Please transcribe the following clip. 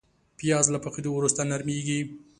پیاز له پخېدو وروسته نرمېږي